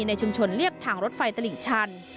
ในชุมชนเรียบทางรถไฟตลิ่งชัน